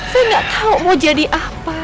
saya gak tau mau jadi apa